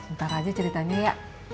ntar aja ceritanya ya